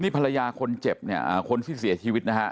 ภรรยาคนเจ็บเนี่ยคนที่เสียชีวิตนะฮะ